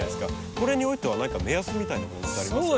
これにおいては何か目安みたいなものってありますか？